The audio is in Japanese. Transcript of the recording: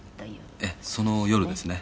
谷村：その夜ですね。